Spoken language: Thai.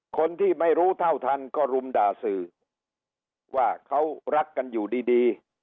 คนที่ไม่รู้เท่าทันก็รุมด่าสื่อว่าเขารักกันอยู่ดีดี